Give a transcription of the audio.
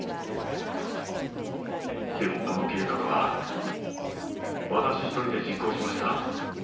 でもこの計画は私一人で実行しました。